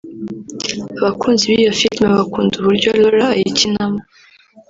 Abakunzi b’iyo filime bakunda uburyo Laura ayikinamo